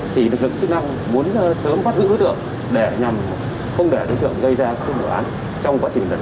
thì lực lượng chính năng muốn sớm phát hữu đối tượng để nhằm không để đối tượng gây ra công đối án trong quá trình lần bốn